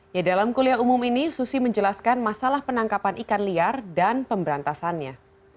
ya dalam kuliah umum ini susi menjelaskan masalah penangkapan ikan liar dan pemberantasannya